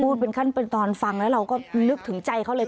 เป็นขั้นเป็นตอนฟังแล้วเราก็นึกถึงใจเขาเลย